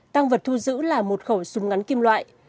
tăng vật thu giữ là một khẩu súng ngắn kim loại